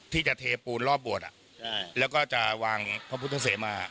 ที่จะเทปูนรอบบวชแล้วก็จะวางพระพุทธเสมา